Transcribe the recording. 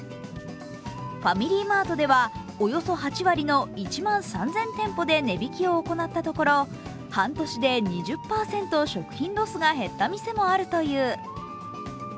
ファミリーマートではおよそ８割の１万３０００店舗で値引きを行ったところ、半年で２０％食品ロスが減った店もあるという。